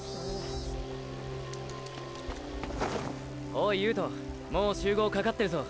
おい悠人もう集合かかってるぞ。